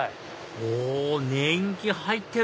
お年季入ってる！